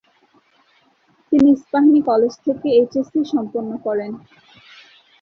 তিনি ইস্পাহানি কলেজ থেকে এইচএসসি সম্পন্ন করেন।